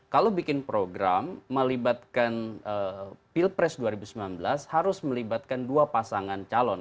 kalau bikin program melibatkan pilpres dua ribu sembilan belas harus melibatkan dua pasangan calon